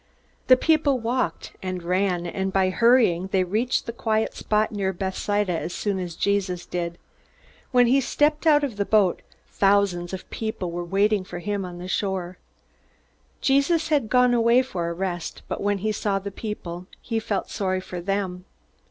The people walked and ran, and by hurrying they reached the quiet spot near Bethsaida as soon as Jesus did. When he stepped out of the boat, thousands of people were waiting for him on the shore. Jesus had gone away for a rest, but when he saw the people he felt sorry for them.